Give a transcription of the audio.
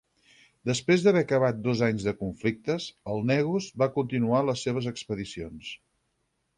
Després d'haver acabat dos anys de conflictes, el negus va continuar les seves expedicions.